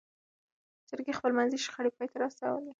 جرګې خپلمنځي شخړې پای ته ورسولې.